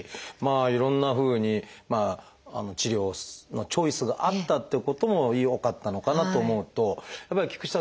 いろんなふうに治療のチョイスがあったってこともよかったのかなと思うとやっぱり菊池さん